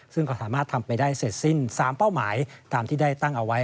ซึ่งก็สามารถทำไปได้เสร็จสิ้น๓เป้าหมายตามที่ได้ตั้งเอาไว้